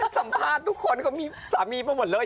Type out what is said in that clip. สัมภาษณ์ทุกคนก็มีสามีมาหมดเลย